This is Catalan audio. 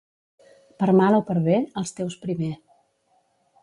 Per mal o per bé, els teus primer.